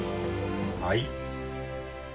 はい。